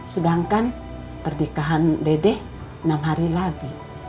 sedangkan pernikahan dedeh enam hari lagi